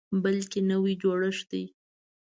بلکل نوی جوړښت دی.